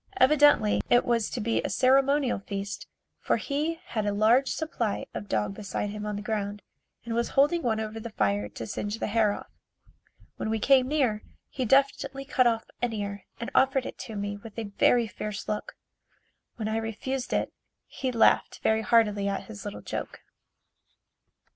Evidently it was to be a ceremonial feast for he had a large supply of dog beside him on the ground and was holding one over the fire to singe the hair off. When we came near, he deftly cut off an ear and offered it to me with a very fierce look. When I refused it, he laughed very heartily at his little joke.